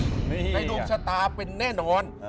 ให้โดมชะตาเป็นแน่นอน